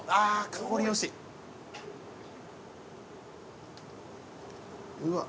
香りよしうわっ